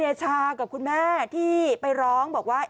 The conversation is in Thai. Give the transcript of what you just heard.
ชากับคุณแม่ที่ไปร้องบอกว่า